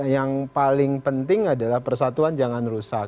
yang paling penting adalah persatuan jangan rusak